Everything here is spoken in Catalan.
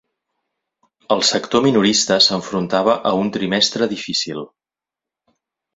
El sector minorista s'enfrontava a un trimestre difícil.